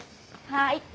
はい。